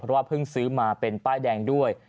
เพราะว่าเพิ่งซื้อมาเป็นป้ายแดงด้วย